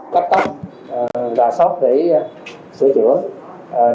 giám đốc bệnh viện đa khoa quận bình tân cho biết